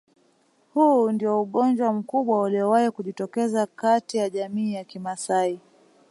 Huu ndio ugomvi mkubwa uliowahi kujitokeza kati ya jamii ya kimasai